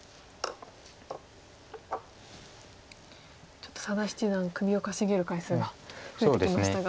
ちょっと佐田七段首をかしげる回数が増えてきましたが。